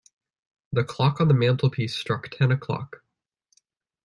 The clock on the mantelpiece struck ten o’clock.